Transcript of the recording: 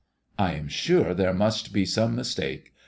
'* I am sure there must be some mistake.